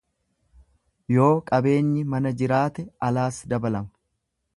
Yoo qabeenyi mana jiraate alaas dabalama.